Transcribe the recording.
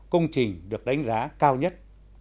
công trình được đánh giá cao nhất